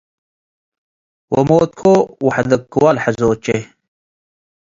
ወምትኮ ወሐደግክወ ለሐዞቼ